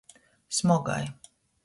Smogai.